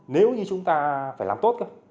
nếu như chúng ta phải làm tốt cơ